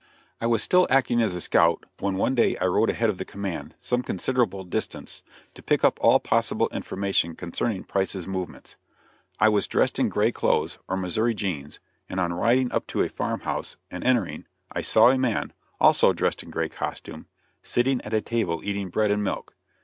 I was still acting as a scout, when one day I rode ahead of the command, some considerable distance, to pick up all possible information concerning Price's movements. I was dressed in gray clothes, or Missouri jeans, and on riding up to a farm house and entering, I saw a man, also dressed in gray costume, sitting at a table eating bread and milk.